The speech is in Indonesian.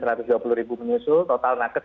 satu ratus dua puluh ribu menyusul total nakes